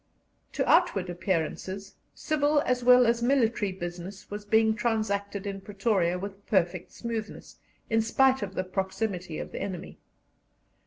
To outward appearances, civil as well as military business was being transacted in Pretoria with perfect smoothness, in spite of the proximity of the enemy.